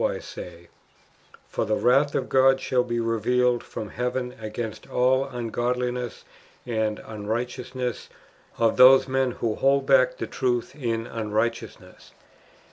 471 wise say :" For the wratli of God shall be revealed from heaven ao; ainst all uncrodllness and unrio; hteousness of those men who hold back the truth in unrighteousness."